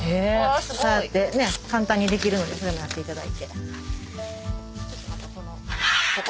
こうやってね簡単にできるのでやっていただいて。